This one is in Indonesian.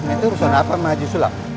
itu urusan apa sama haji sulam